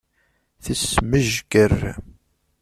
Tesmejger.